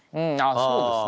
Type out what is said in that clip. そうですね。